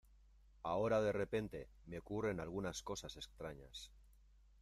Ahora de repente me ocurren algunas cosas extrañas